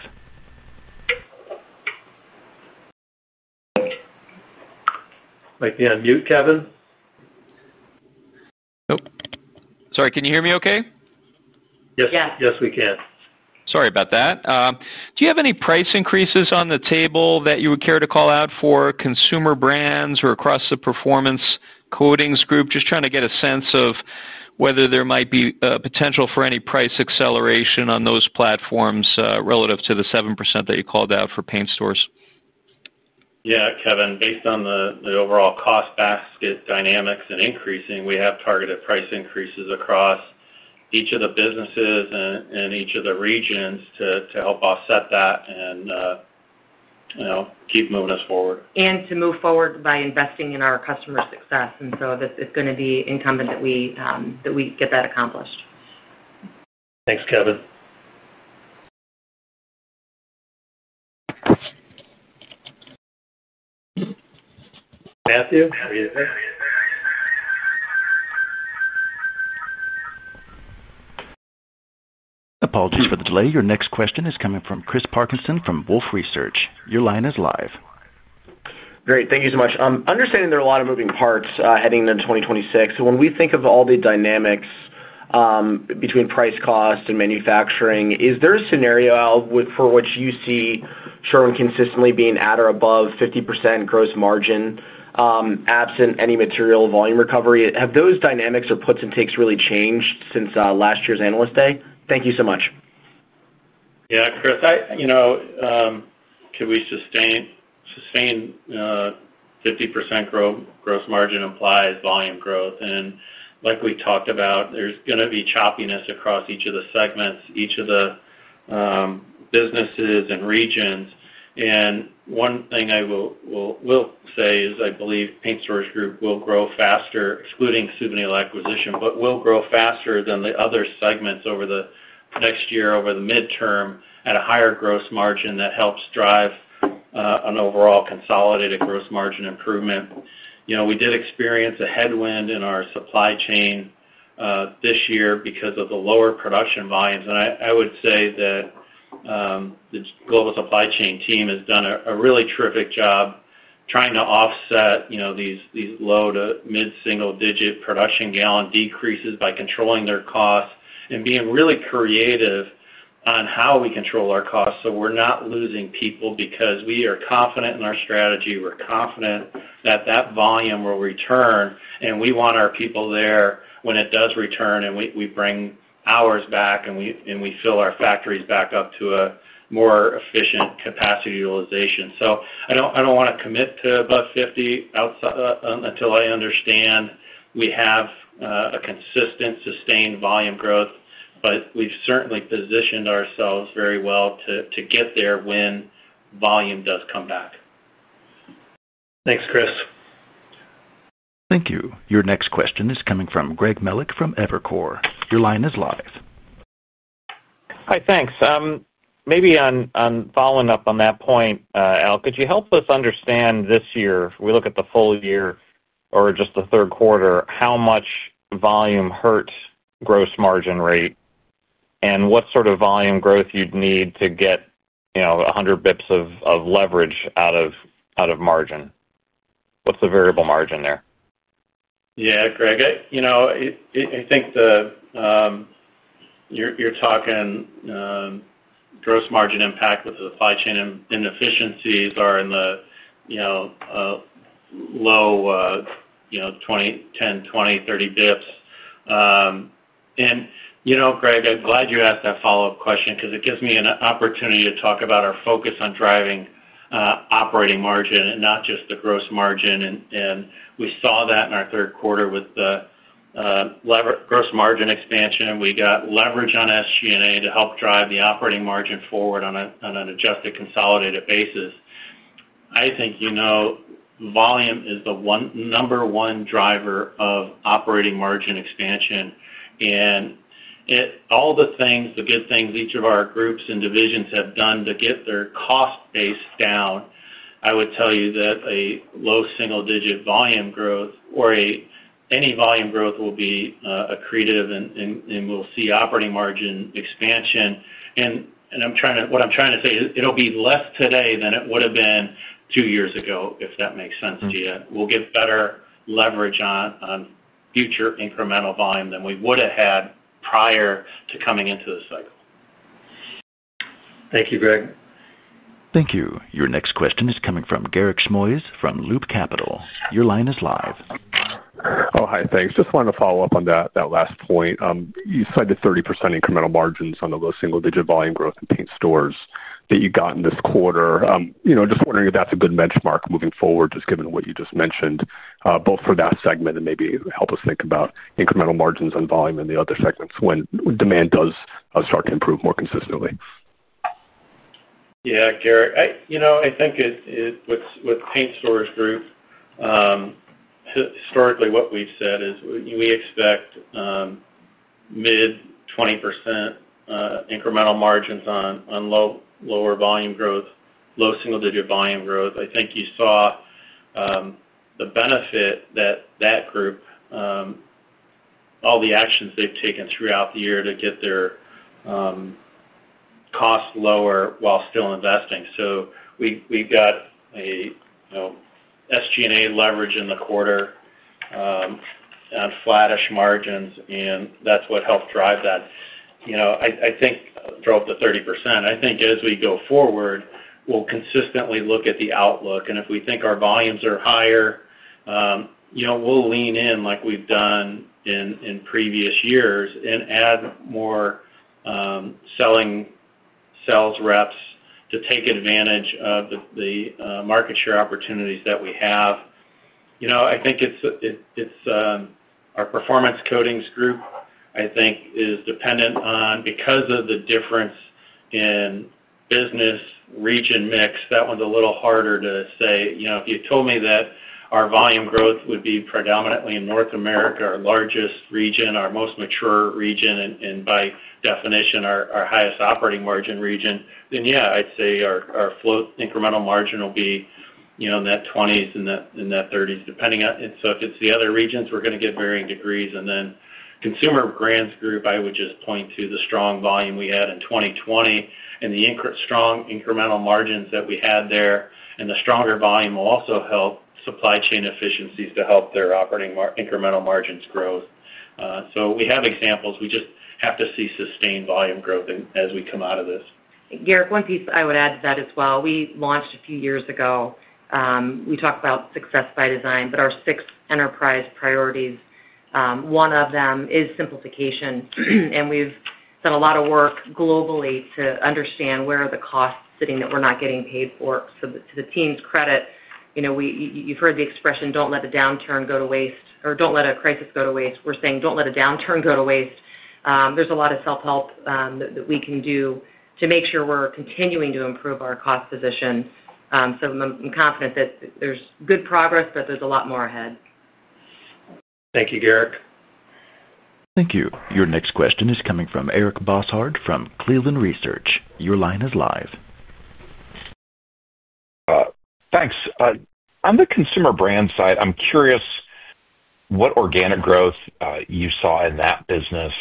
Might be on mute, Kevin. Sorry, can you hear me okay? Yes. Yes, we can. Sorry about that. Do you have any price increases on the table that you would care to call out for Consumer Brands or across the Performance Coatings Group? Just trying to get a sense of whether there might be a potential for any price acceleration on those platforms relative to the 7% that you called out for Paint Stores? Yeah, Kevin, based on the overall cost basket dynamics and increasing, we have targeted price increases across each of the businesses and each of the regions to help offset that and keep moving us forward. To move forward by investing in our customer success, it's going to be incumbent that we get that accomplished. Thanks, Kevin. Apologies for the delay. Your next question is coming from Chris Parkinson from Wolfe Research. Your line is live. Great. Thank you so much. Understanding there are a lot of moving parts heading into 2026. When we think of all the dynamics between price, cost, and manufacturing, is there a scenario for which you see Sherwin-Williams consistently being at or above 50% gross margin absent any material volume recovery? Have those dynamics or puts and takes really changed since last year's Analyst Day? Thank you so much. Yeah, Chris, you know, can we sustain 50% gross margin implies volume growth. Like we talked about, there's going to be choppiness across each of the segments, each of the businesses and regions. One thing I will say is I believe Paint Stores Group will grow faster, excluding Suvinil acquisition, but will grow faster than the other segments over the next year, over the midterm at a higher gross margin that helps drive an overall consolidated gross margin improvement. We did experience a headwind in our supply chain this year because of the lower production volumes. I would say that the global supply chain team has done a really terrific job trying to offset these low to mid-single digit production gallon decreases by controlling their costs and being really creative on how we control our costs so we're not losing people because we are confident in our strategy. We're confident that that volume will return, and we want our people there when it does return, and we bring ours back, and we fill our factories back up to a more efficient capacity utilization. I don't want to commit to above 50% until I understand we have a consistent sustained volume growth, but we've certainly positioned ourselves very well to get there when volume does come back. Thanks, Chris. Thank you. Your next question is coming from Greg Melich from Evercore. Your line is live. Hi, thanks. Maybe on following up on that point, Al, could you help us understand this year, we look at the full year or just the third quarter, how much volume hurt gross margin rate and what sort of volume growth you'd need to get, you know, 100 basis points of leverage out of margin? What's the variable margin there? Yeah, Greg, I think you're talking gross margin impact with the supply chain inefficiencies are in the low, you know, 10, 20, 30 basis points. Greg, I'm glad you asked that follow-up question because it gives me an opportunity to talk about our focus on driving operating margin and not just the gross margin. We saw that in our third quarter with the gross margin expansion. We got leverage on SG&A to help drive the operating margin forward on an adjusted consolidated basis. I think volume is the number one driver of operating margin expansion. All the things, the good things each of our groups and divisions have done to get their cost base down, I would tell you that a low single-digit volume growth or any volume growth will be accretive, and we'll see operating margin expansion. What I'm trying to say is it'll be less today than it would have been two years ago, if that makes sense to you. We'll get better leverage on future incremental volume than we would have had prior to coming into this cycle. Thank you, Greg. Thank you. Your next question is coming from Garik Shmois from Loop Capital. Your line is live. Oh, hi, thanks. Just wanted to follow up on that last point. You cited 30% incremental margins on the low single-digit volume growth in Paint Stores that you got in this quarter. Just wondering if that's a good benchmark moving forward, just given what you just mentioned, both for that segment and maybe help us think about incremental margins on volume in the other segments when demand does start to improve more consistently. Yeah, Garik, you know, I think it's with Paint Stores Group. Historically, what we've said is we expect mid-20% incremental margins on lower volume growth, low single-digit volume growth. I think you saw the benefit that that group, all the actions they've taken throughout the year to get their costs lower while still investing. We got an SG&A leverage in the quarter and flattish margins, and that's what helped drive that. I think drove the 30%. As we go forward, we'll consistently look at the outlook. If we think our volumes are higher, you know, we'll lean in like we've done in previous years and add more selling sales reps to take advantage of the market share opportunities that we have. I think it's our Performance Coatings Group, I think, is dependent on because of the difference in business region mix. That one's a little harder to say. If you told me that our volume growth would be predominantly in North America, our largest region, our most mature region, and by definition, our highest operating margin region, then yeah, I'd say our float incremental margin will be, you know, in that 20s and that 30s, depending on. If it's the other regions, we're going to get varying degrees. Consumer Brands Group, I would just point to the strong volume we had in 2020 and the strong incremental margins that we had there. The stronger volume will also help supply chain efficiencies to help their operating incremental margins grow. We have examples. We just have to see sustained volume growth as we come out of this. Garik, one piece I would add to that as well. We launched a few years ago. We talk about success by design, but our six enterprise priorities, one of them is simplification. We've done a lot of work globally to understand where are the costs sitting that we're not getting paid for. To the team's credit, you've heard the expression, don't let a downturn go to waste, or don't let a crisis go to waste. We're saying, don't let a downturn go to waste. There's a lot of self-help that we can do to make sure we're continuing to improve our cost position. I'm confident that there's good progress, but there's a lot more ahead. Thank you, Garik. Thank you. Your next question is coming from Eric Bosshard from Cleveland Research. Your line is live. Thanks. On the Consumer Brands Group side, I'm curious what Organic growth you saw in that business.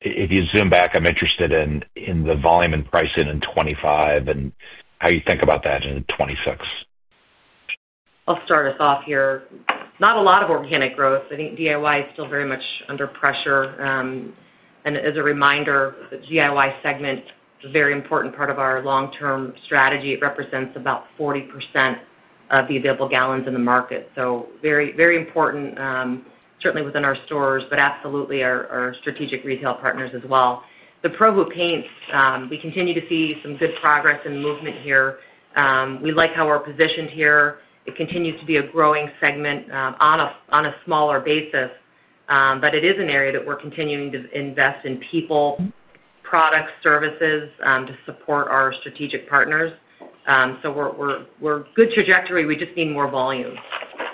If you zoom back, I'm interested in the volume and pricing in 2025 and how you think about that in 2026. I'll start us off here. Not a lot of Organic growth. I think DIY is still very much under pressure. As a reminder, the DIY segment is a very important part of our long-term strategy. It represents about 40% of the available gallons in the market, so very, very important, certainly within our stores, but absolutely our strategic retail partners as well. The Provo Paints, we continue to see some good progress and movement here. We like how we're positioned here. It continues to be a growing segment on a smaller basis, but it is an area that we're continuing to invest in people, products, services to support our strategic partners. We're on a good trajectory. We just need more volume.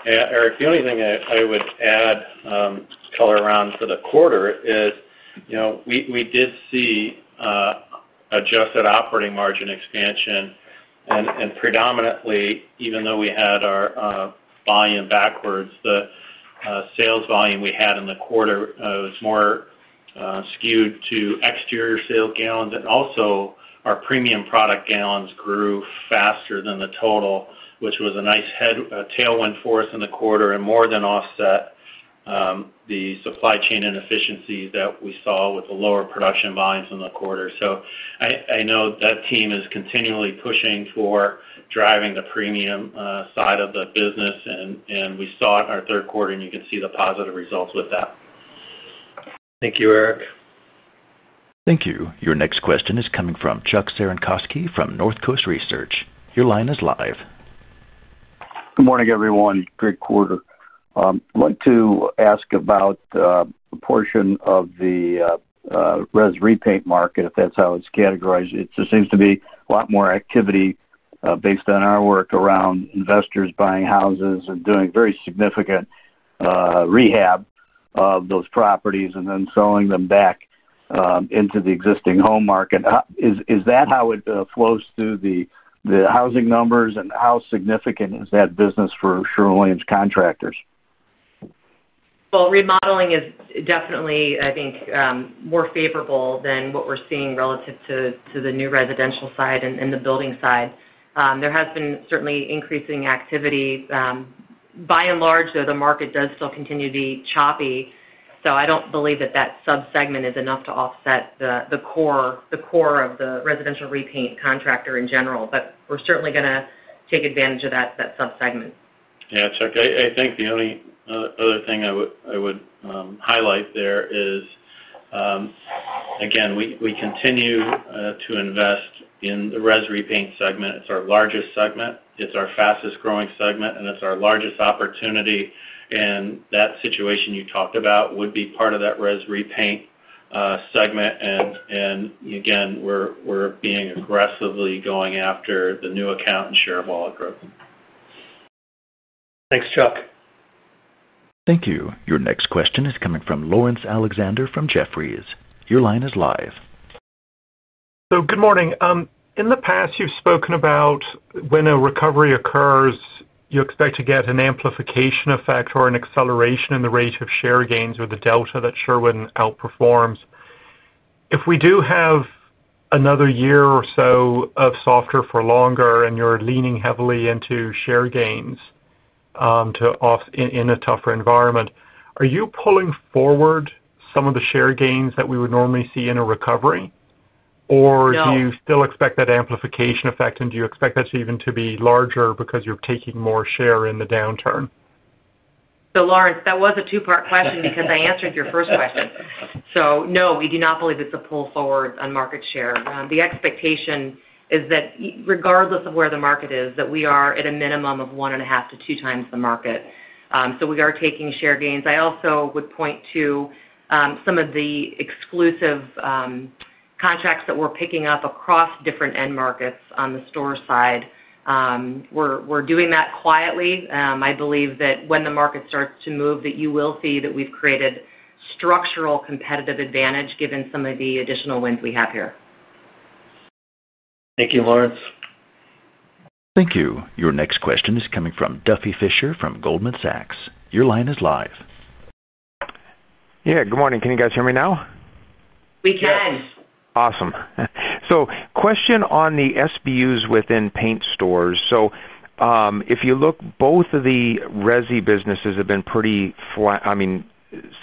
Yeah, Eric, the only thing I would add, color around for the quarter is, you know, we did see adjusted operating margin expansion. Predominantly, even though we had our volume backwards, the sales volume we had in the quarter was more skewed to exterior sales gallons. Also, our premium product gallons grew faster than the total, which was a nice tailwind for us in the quarter and more than offset the supply chain inefficiencies that we saw with the lower production volumes in the quarter. I know that team is continually pushing for driving the premium side of the business. We saw it in our third quarter, and you can see the positive results with that. Thank you, Eric. Thank you. Your next question is coming from Chuck Cerankosky from North Coast Research. Your line is live. Good morning, everyone. Great quarter. I want to ask about a portion of the res repaint market, if that's how it's categorized. It just seems to be a lot more activity based on our work around investors buying houses and doing very significant rehab of those properties and then selling them back into the existing home market. Is that how it flows through the housing numbers and how significant is that business for Sherwin-Williams contractors? Remodeling is definitely, I think, more favorable than what we're seeing relative to the new residential side and the building side. There has been certainly increasing activity. By and large, though, the market does still continue to be choppy. I don't believe that that subsegment is enough to offset the core of the residential repaint contractor in general. We're certainly going to take advantage of that subsegment. Yeah, Chuck, I think the only other thing I would highlight there is, again, we continue to invest in the res repaint segment. It's our largest segment, it's our fastest growing segment, and it's our largest opportunity. That situation you talked about would be part of that res repaint segment. Again, we're being aggressively going after the new account and share of all our growth. Thanks, Chuck. Thank you. Your next question is coming from Laurence Alexander from Jefferies. Your line is live. Good morning. In the past, you've spoken about when a recovery occurs, you expect to get an amplification effect or an acceleration in the rate of share gains or the delta that Sherwin-Williams outperforms. If we do have another year or so of softer for longer and you're leaning heavily into share gains in a tougher environment, are you pulling forward some of the share gains that we would normally see in a recovery? Do you still expect that amplification effect? Do you expect that to even be larger because you're taking more share in the downturn? Laurence, that was a two-part question because I answered your first question. No, we do not believe it's a pull forward on market share. The expectation is that regardless of where the market is, we are at a minimum of 1.5x-2x the market. We are taking share gains. I also would point to some of the exclusive contracts that we're picking up across different end markets on the store side. We're doing that quietly. I believe that when the market starts to move, you will see that we've created structural competitive advantage given some of the additional wins we have here. Thank you, Laurence. Thank you. Your next question is coming from Duffy Fischer from Goldman Sachs. Your line is live. Good morning. Can you guys hear me now? We can. Awesome. Question on the SBUs within Paint Stores. If you look, both of the resi businesses have been pretty, I mean,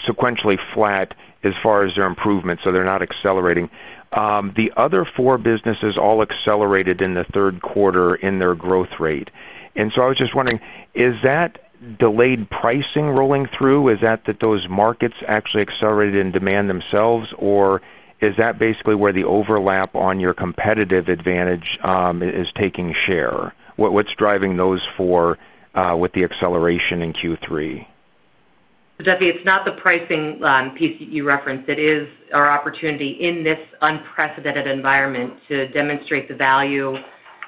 sequentially flat as far as their improvement. They're not accelerating. The other four businesses all accelerated in the third quarter in their growth rate. I was just wondering, is that delayed pricing rolling through? Is that that those markets actually accelerated in demand themselves, or is that basically where the overlap on your competitive advantage is taking share? What's driving those four with the acceleration in Q3? Duffy, it's not the pricing piece that you referenced. It is our opportunity in this unprecedented environment to demonstrate the value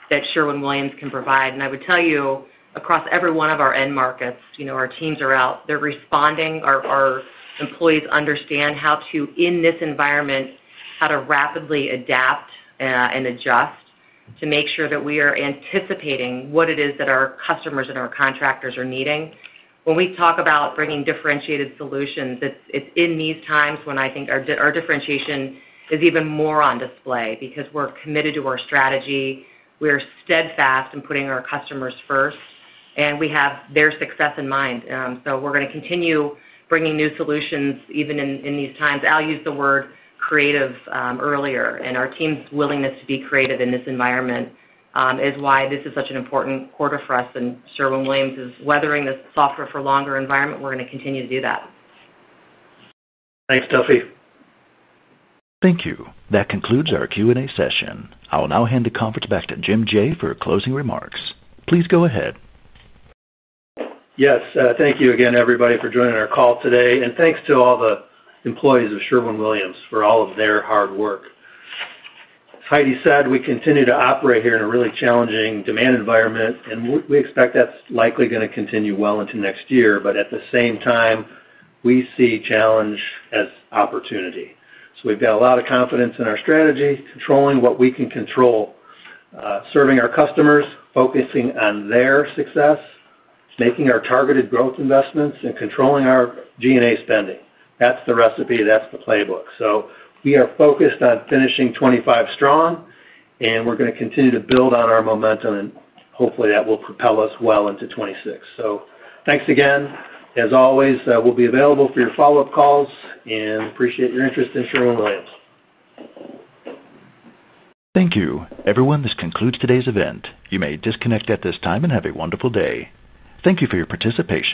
that Sherwin-Williams can provide. I would tell you, across every one of our end markets, our teams are out. They're responding. Our employees understand how to, in this environment, rapidly adapt and adjust to make sure that we are anticipating what it is that our customers and our contractors are needing. When we talk about bringing differentiated solutions, it's in these times when I think our differentiation is even more on display because we're committed to our strategy. We are steadfast in putting our customers first, and we have their success in mind. We are going to continue bringing new solutions even in these times. I used the word creative earlier, and our team's willingness to be creative in this environment is why this is such an important quarter for us. Sherwin-Williams is weathering this softer for longer environment. We're going to continue to do that. Thanks, Duffy. Thank you. That concludes our Q&A session. I'll now hand the conference back to Jim Jaye for closing remarks. Please go ahead. Yes, thank you again, everybody, for joining our call today. Thank you to all the employees of Sherwin-Williams for all of their hard work. As Heidi said, we continue to operate here in a really challenging demand environment, and we expect that's likely going to continue well into next year. At the same time, we see challenge as opportunity. We've got a lot of confidence in our strategy, controlling what we can control, serving our customers, focusing on their success, making our targeted growth investments, and controlling our G&A spending. That's the recipe. That's the playbook. We are focused on finishing 2025 strong, and we're going to continue to build on our momentum, and hopefully, that will propel us well into 2026. Thanks again. As always, we'll be available for your follow-up calls and appreciate your interest in Sherwin-Williams. Thank you. Everyone, this concludes today's event. You may disconnect at this time and have a wonderful day. Thank you for your participation.